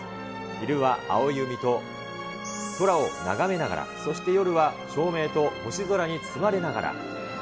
昼は青い海と、空を眺めながら、そして夜は照明と星空に包まれながら。